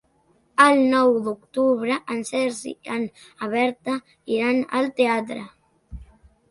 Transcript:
El nou d'octubre en Sergi i na Berta iran al teatre.